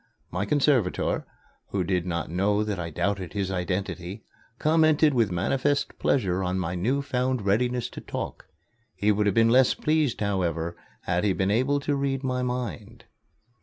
My conservator, who did not know that I doubted his identity, commented with manifest pleasure on my new found readiness to talk. He would have been less pleased, however, had he been able to read my mind.